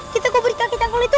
kita kuburin kakek canggul itu